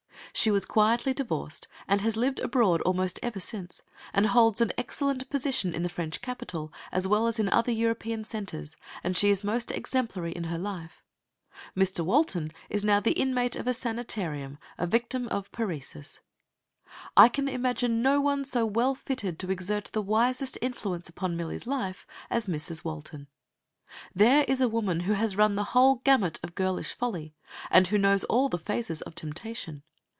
She was quietly divorced, and has lived abroad almost ever since, and holds an excellent position in the French capital, as well as in other European centres, and she is most exemplary in her life. Mr. Walton is now an inmate of a sanitarium, a victim of paresis. I can imagine no one so well fitted to exert the wisest influence upon Millie's life as Mrs. Walton. There is a woman who has run the whole gamut of girlish folly, and who knows all the phases of temptation.